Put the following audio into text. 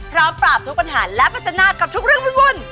พร้อมปราบทุกปัญหาและปัจจนาคกับทุกเรื่องวุ่น